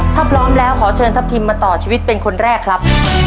ถ้าพร้อมแล้วขอเชิญทัพทิมมาต่อชีวิตเป็นคนแรกครับ